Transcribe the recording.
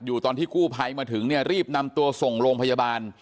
ตอนที่กู้ภัยมาถึงเนี่ยรีบนำตัวส่งโรงพยาบาล